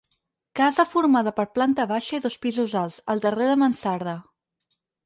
Casa formada per planta baixa i dos pisos alts, el darrer de mansarda.